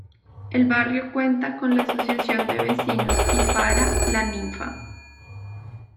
El barrio cuenta con la asociación de vecinos Ifara-La Ninfa.